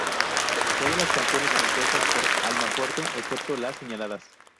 Todas las canciones compuestas por Almafuerte, excepto las señaladas.